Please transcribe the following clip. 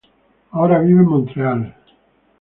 Ahora vive en Montreal.